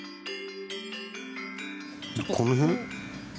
この辺？